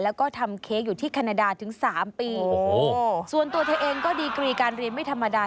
แล้วก็ทำเค้กอยู่ที่แคนาดาถึงสามปีโอ้โหส่วนตัวเธอเองก็ดีกรีการเรียนไม่ธรรมดา